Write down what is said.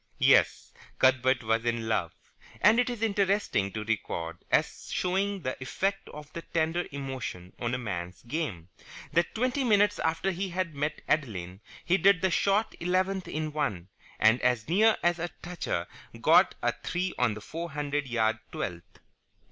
Yes, Cuthbert was in love: and it is interesting to record, as showing the effect of the tender emotion on a man's game, that twenty minutes after he had met Adeline he did the short eleventh in one, and as near as a toucher got a three on the four hundred yard twelfth.